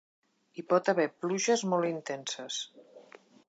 Hi pot haver pluges molt intenses.